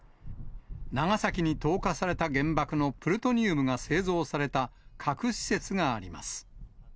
長崎に投下された原爆のプルトニウムが製造された核施設があります。